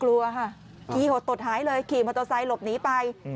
กลัวฮะกี่ฮดตดหายเลยขี่มดตระดิษฐ์หลอบหนีไป